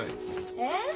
えっ？